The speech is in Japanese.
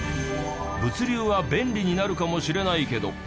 物流は便利になるかもしれないけど